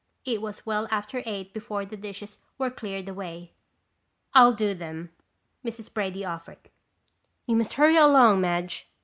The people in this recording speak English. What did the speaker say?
It was well after eight before the dishes were cleared away. "I'll do them," Mrs. Brady offered. "You must hurry along, Madge."